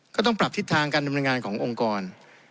ก็ต้องปรับทิศทางการดำเนินงานขององค์กร